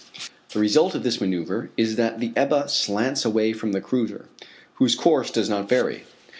The result of this manoeuvre is that the Ebba slants away from the cruiser, whose course does not vary.